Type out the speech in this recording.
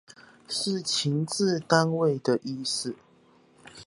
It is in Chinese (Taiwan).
是情治單位的意思